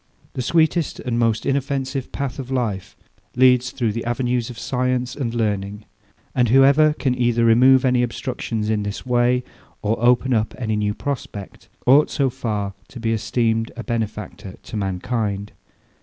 The sweetest and most inoffensive path of life leads through the avenues of science and learning; and whoever can either remove any obstructions in this way, or open up any new prospect, ought so far to be esteemed a benefactor to mankind.